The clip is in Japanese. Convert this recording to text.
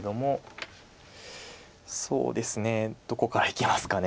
そうですねどこからいきますか。